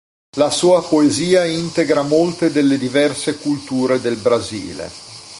La sua poesia integra molte delle diverse culture del Brasile.